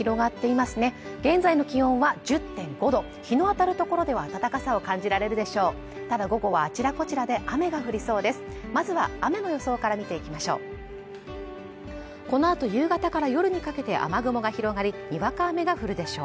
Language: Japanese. まずは雨の予想から見ていきましょう